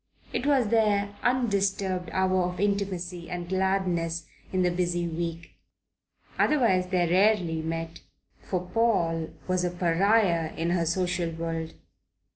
It was their undisturbed hour of intimacy and gladness in the busy week. Otherwise they rarely met, for Paul was a pariah in her social world.